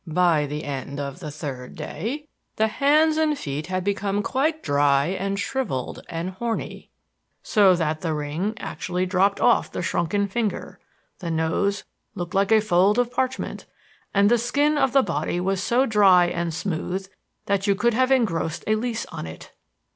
By the end of the third day the hands and feet had become quite dry and shriveled and horny so that the ring actually dropped off the shrunken finger the nose looked like a fold of parchment; and the skin of the body was so dry and smooth that you could have engrossed a lease on it.